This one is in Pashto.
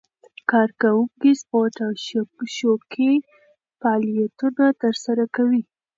کارکوونکي سپورت او شوقي فعالیتونه ترسره کوي.